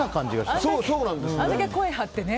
あんだけ声はってね